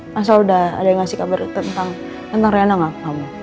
masa udah ada yang ngasih kabar tentang riana gak